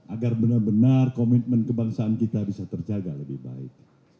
agar benar benar komitmen kebangsaan kita bisa terjaga lebih baik